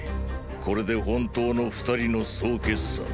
これで本当の二人の総決算。